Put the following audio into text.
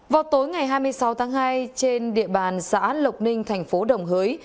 vào tối ngày hai mươi sáu tháng hai trên địa bàn xã lộc ninh thành phố đồng hới